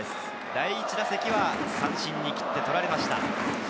第１打席は三振に切って取られました。